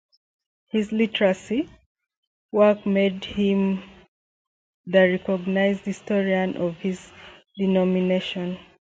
His literary work made him the recognized historian of his denomination.